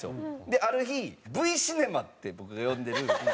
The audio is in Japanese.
である日「Ｖシネマ」って僕が呼んでる。